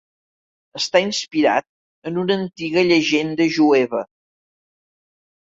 Està inspirat en una antiga llegenda jueva.